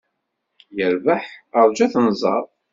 Yerbeḥ, rju ad t-nẓer.